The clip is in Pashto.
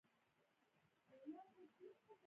بانکونه د هیواد په ابادۍ کې رښتینی رول لري.